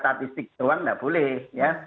statistik doang nggak boleh ya